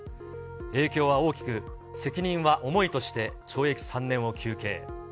影響は大きく、責任は重いとして懲役３年を求刑。